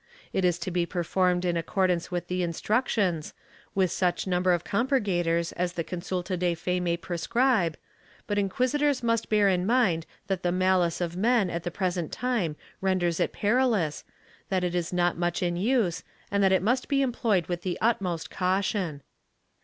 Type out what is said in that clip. It is to be performed in accordance with the Instruc tions, with such number of compurgators as the consulta de fe may prescribe, but inquisitors must bear in mind that the malice of men at the present time renders it perilous, that it is not much in use, and that it must be employed with the utmost caution.'